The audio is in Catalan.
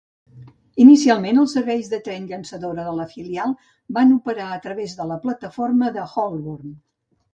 Inicialment, els serveis de tren llançadora de la filial van operar a través de la plataforma d"Holborn.